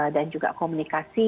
dan juga komunikasi